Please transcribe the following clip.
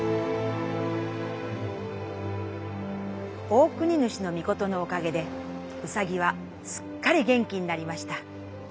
オオクニヌシノミコトのおかげでうさぎはすっかり元気になりました。